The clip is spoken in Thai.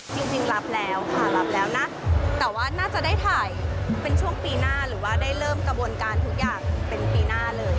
จริงรับแล้วค่ะรับแล้วนะแต่ว่าน่าจะได้ถ่ายเป็นช่วงปีหน้าหรือว่าได้เริ่มกระบวนการทุกอย่างเป็นปีหน้าเลย